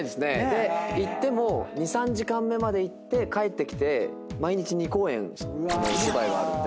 で行っても２３時間目まで行って帰ってきて毎日２公演お芝居はあるんで。